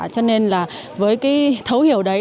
cho nên là với cái thấu hiểu đấy